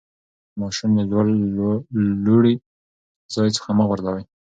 ماشوم له لوړي ځای څخه مه غورځوئ.